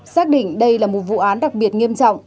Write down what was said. xác định đây là một vụ án đặc biệt nghiêm trọng